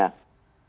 kalau lebih segitu